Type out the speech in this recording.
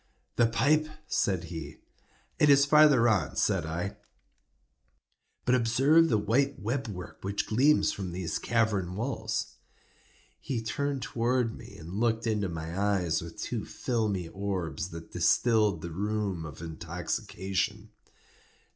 "The pipe," said he. "It is farther on," said I; "but observe the white web work which gleams from these cavern walls." He turned towards me, and looked into my eyes with two filmy orbs that distilled the rheum of intoxication.